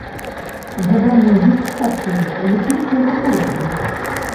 Згаданыя жукі харчуюцца выключна кукурузай.